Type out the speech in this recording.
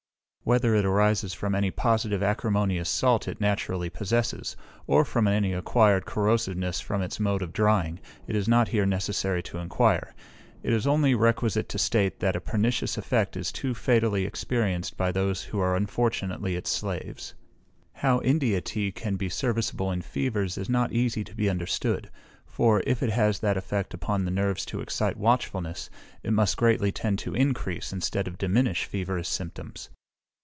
Whether it arises from any positive acrimonious salt it naturally possesses, or from any acquired corrosiveness from its mode of drying, is not here necessary to enquire: it is only requisite to state that a pernicious effect is too fatally experienced by those who are unfortunately its slaves. How India tea can be serviceable in fevers is not easy to be understood; for, if it has that effect upon the nerves to excite watchfulness, it must greatly tend to increase, instead of diminish feverish symptoms.